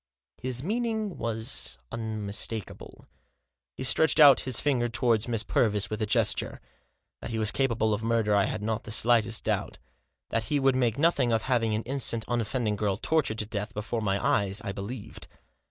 His meaning was unmistakable. He stretched out his finger towards Miss Purvis with a gesture. That he was capable of murder I had not the slightest doubt. That he would make nothing of having an innocent, unoffending girl tortured to death before my eyes I believed.